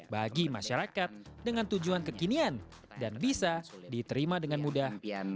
bagi masyarakat dengan tujuan kekinian dan bisa diterima dengan mudah